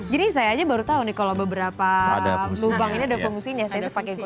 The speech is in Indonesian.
jadi saya aja baru tahu nih kalau beberapa lubang ini ada fungsinya